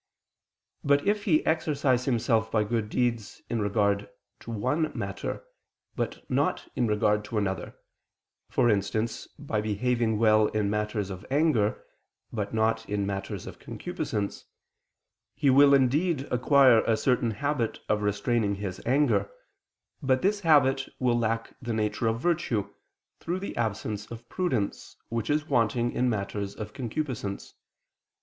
But if he exercise himself by good deeds in regard to one matter, but not in regard to another, for instance, by behaving well in matters of anger, but not in matters of concupiscence; he will indeed acquire a certain habit of restraining his anger; but this habit will lack the nature of virtue, through the absence of prudence, which is wanting in matters of concupiscence.